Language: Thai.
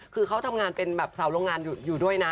คือเขาทำงานเป็นแบบสาวโรงงานอยู่ด้วยนะ